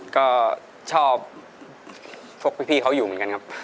ก็ชอบพวกพี่เขาอยู่เหมือนกันครับ